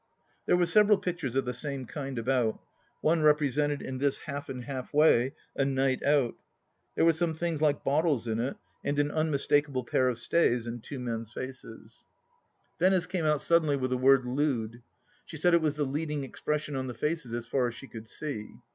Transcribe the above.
There were several pictures of the same kind about. One represented, in this half and half way, "A Night Out." There were some things like bottles in it, and an unmistak able pair of stays, and two men's faces. ,.. THE LAST DITCH U7 Venice came out suddenly with the word "lewd." She said it was the leading expression on the faces as far as she could see.